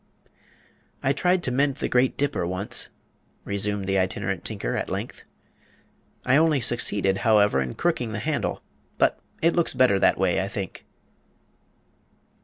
"I tried to mend the Great Dipper once," resumed the Itinerant Tinker, at length. "I only succeeded, however, in crooking the handle; but it looks better that way, I think."